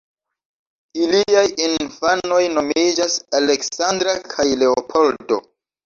Iliaj infanoj nomiĝas Aleksandra kaj Leopoldo.